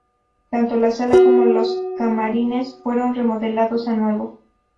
Tanto la sala como los camarines fueron remodelados a nuevo.